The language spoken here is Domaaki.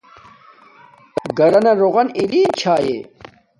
گھرانا روغن اری شھاݵ